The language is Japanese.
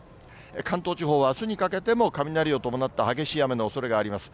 関東地方はあすにかけても雷を伴った激しい雨のおそれがあります。